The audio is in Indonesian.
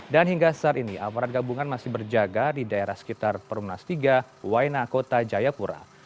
hingga saat ini aparat gabungan masih berjaga di daerah sekitar perumnas tiga waina kota jayapura